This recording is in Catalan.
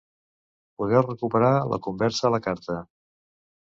Podeu recuperar la conversa a la carta.